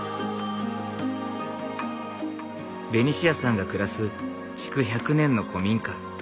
ベニシアさんが暮らす築１００年の古民家。